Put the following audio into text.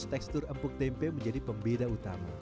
tekstur empuk tempe menjadi pembeda utama